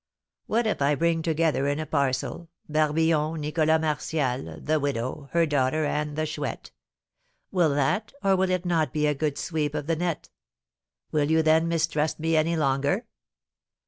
What if I bring together in a parcel Barbillon, Nicholas Martial, the widow, her daughter, and the Chouette? Will that or will it not be a good sweep of the net? Will you then mistrust me any longer?"